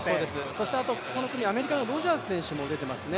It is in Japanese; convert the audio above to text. そしてこの国、アメリカのロジャース選手も出ていますね。